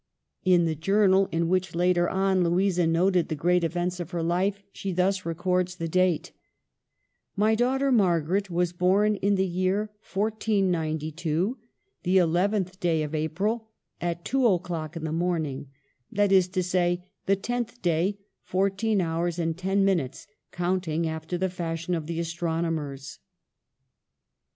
In the journal in which, later on, Louisa noted the great events of her life, she thus records the date :—" My daughter Margaret was born in the year 1492, the nth day of April, at two o'clock in the morning ; that is to say, the tenth day, fourteen hours and ten minutes, counting after the fashion of the astronomers."